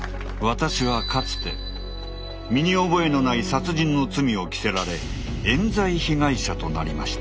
私はかつて身に覚えのない殺人の罪を着せられえん罪被害者となりました。